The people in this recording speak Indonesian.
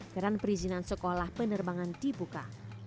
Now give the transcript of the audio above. keran perizinan sekolah penerbangan dibuka